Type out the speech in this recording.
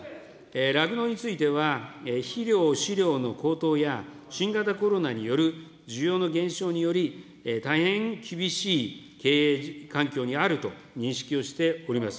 酪農については、肥料、飼料の高騰や、新型コロナによる需要の減少により、大変厳しい経営環境にあると認識をしております。